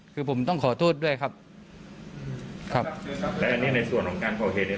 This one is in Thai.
คือผมต้องขอโทษด้วยครับครับและอันนี้ในส่วนของการก่อเหตุเนี่ย